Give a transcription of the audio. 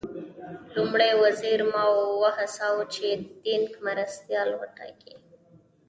لومړي وزیر ماوو وهڅاوه چې دینګ مرستیال وټاکي.